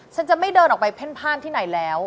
ฉันจะไม่เดินออกไปเพ่นพ่านที่ไหนแล้ว